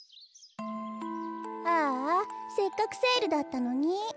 ああせっかくセールだったのに。